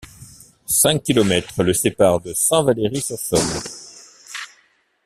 Cinq kilomètres le séparent de Saint-Valery-sur-Somme.